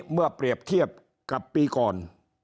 เมื่อเปรียบเทียบกับปีก่อน